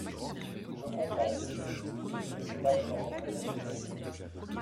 Je comprends, monsieur le ministre, que vous n’aimiez pas vous entendre dire ces vérités.